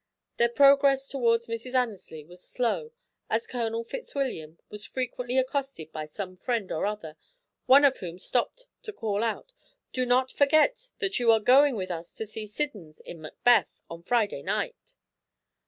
Their progress towards Mrs. Annesley was slow, as Colonel Fitzwilliam was frequently accosted by some friend or other, one of whom stopped him to call out: "Do not forget that you are going with us to see Siddons in Macbeth on Friday night."